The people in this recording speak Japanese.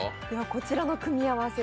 こちらの組み合わせ